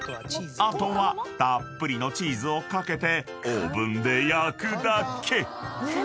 ［あとはたっぷりのチーズを掛けてオーブンで焼くだけ］